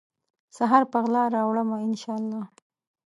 سحر په غلا راوړمه ، ان شا الله